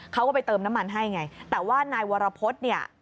เขาก็ไปเติมน้ำมันให้ไงแต่ว่านายวรพฤษเนี่ย